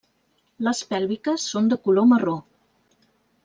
Les pèlviques són de color marró.